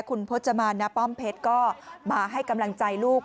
คุณพจมานณป้อมเพชรก็มาให้กำลังใจลูก